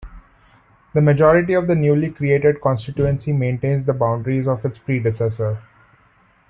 The majority of the newly created constituency maintains the boundaries of its predecessor.